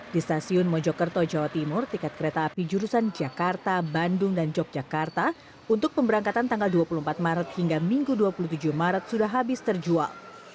di stasiun mojokerto jawa timur tiket kereta api jurusan jakarta bandung dan yogyakarta untuk pemberangkatan tanggal dua puluh empat maret hingga minggu dua puluh tujuh maret sudah habis terjual